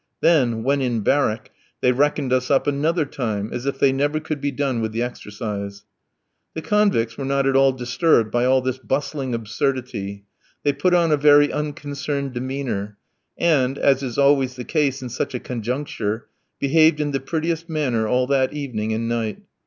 Then, when in barrack, they reckoned us up another time, as if they never could be done with the exercise. The convicts were not at all disturbed by all this bustling absurdity. They put on a very unconcerned demeanour, and, as is always the case in such a conjuncture, behaved in the prettiest manner all that evening and night.